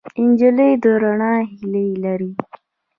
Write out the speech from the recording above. نجلۍ د رڼا هیلې لري.